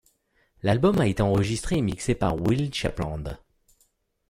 L'album a été enregistré et mixé par Will Shapland.